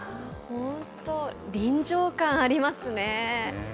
本当、臨場感ありますね。